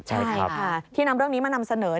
ใช่ค่ะที่นำเรื่องนี้มานำเสนอ